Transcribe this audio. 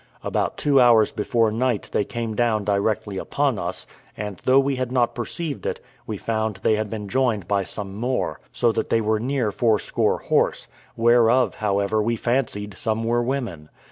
About two hours before night they came down directly upon us; and though we had not perceived it, we found they had been joined by some more, so that they were near fourscore horse; whereof, however, we fancied some were women.